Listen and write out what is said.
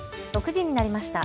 ６時になりました。